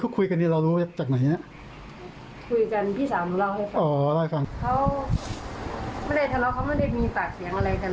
เขาบอกว่าเขาขอโทษต้องฝากให้ดูลูกเขาด้วย